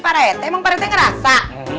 parete mengpercaya ngerasa